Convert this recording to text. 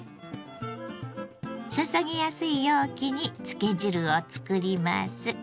注ぎやすい容器に漬け汁をつくります。